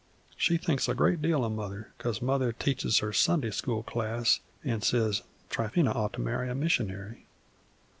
She thinks a great deal o' Mother, 'cause Mother teaches her Sunday school class an' says Tryphena oughter marry a missionary.